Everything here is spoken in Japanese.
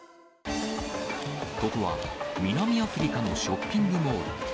ここは南アフリカのショッピングモール。